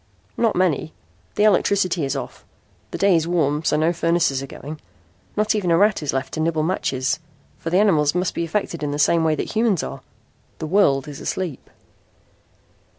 "Not many. The electricity is off. The day is warm so no furnaces are going. Not even a rat is left to nibble matches, for the animals must be affected in the same way that humans are. The world is asleep."